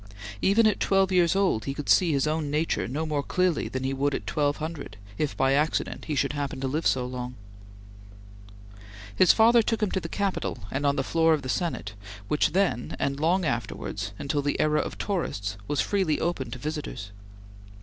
Even at twelve years old he could see his own nature no more clearly than he would at twelve hundred, if by accident he should happen to live so long. His father took him to the Capitol and on the floor of the Senate, which then, and long afterwards, until the era of tourists, was freely open to visitors.